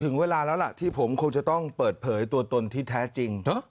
เวลาแล้วล่ะที่ผมคงจะต้องเปิดเผยตัวตนที่แท้จริง